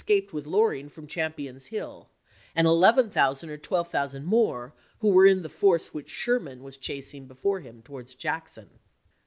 caped with Loring from Champion's Hill, and 11,000 or 12,000 more who were in the force which Sherman was chasing before him towards Jackson.